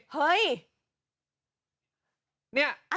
เฮ้ย